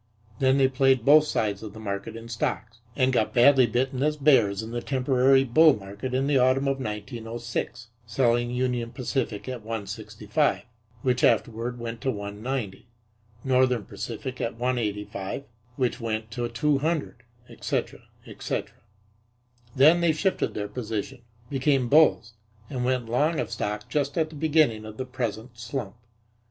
Then they played both sides of the market in stocks and got badly bitten as bears in the temporary bull market in the autumn of 1906, selling Union Pacific at 165, which afterward went to 190, Northern Pacific at 185, which went to 200, etc., etc. Then they shifted their position, became bulls and went long of stock just at the beginning of the present slump.